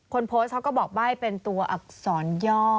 คนโพสต์เขาก็บอกใบ้เป็นตัวอักษรย่อ